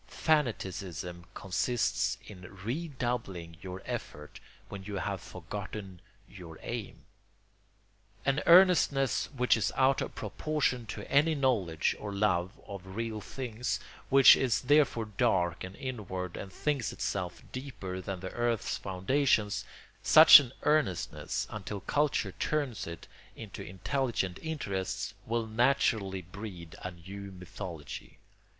Fanaticism consists in redoubling your effort when you have forgotten your aim. An earnestness which is out of proportion to any knowledge or love of real things, which is therefore dark and inward and thinks itself deeper than the earth's foundations—such an earnestness, until culture turns it into intelligent interests, will naturally breed a new mythology.